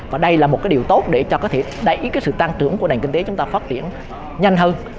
và đây là một cái điều tốt để cho có thể đẩy ý cái sự tăng trưởng của nền kinh tế chúng ta phát triển nhanh hơn